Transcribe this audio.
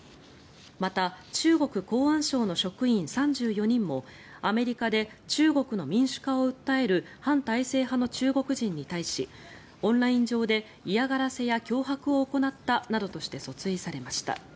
また、中国公安省の職員３４人もアメリカで中国の民主化を訴える反体制派の中国人に対しオンライン上で嫌がらせや脅迫を行ったなどとして訴追されました。